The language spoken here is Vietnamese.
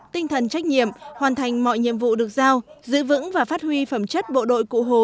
tinh thần trách nhiệm hoàn thành mọi nhiệm vụ được giao giữ vững và phát huy phẩm chất bộ đội cụ hồ